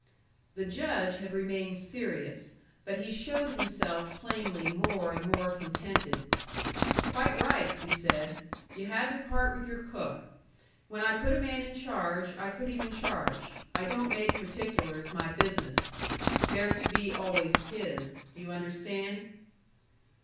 The Judge had remained serious; but he showed himself plainly more and more contented. "Quite right," he said. "You had to part with your cook. When I put a man in charge, I put him in charge. I don't make particulars my business. They're to be always his. Do you understand?"